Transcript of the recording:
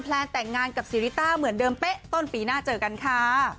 แลนแต่งงานกับซีริต้าเหมือนเดิมเป๊ะต้นปีหน้าเจอกันค่ะ